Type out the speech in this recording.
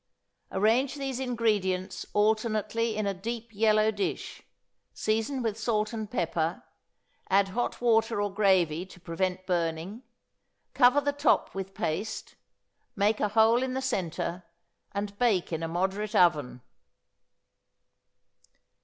Arrange these ingredients alternately in a deep yellow dish, season with salt and pepper, add hot water or gravy to prevent burning, cover the top with paste, make a hole in the centre, and bake in a moderate oven.